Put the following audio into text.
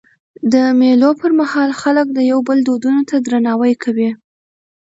د مېلو پر مهال خلک د یو بل دودونو ته درناوی کوي.